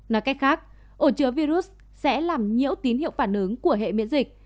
nói cách khác ổ chứa virus sẽ làm nhiễu tín hiệu phản ứng của hệ miễn dịch